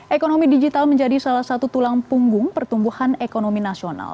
ekonomi digital menjadi salah satu tulang punggung pertumbuhan ekonomi nasional